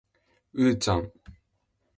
うーちゃん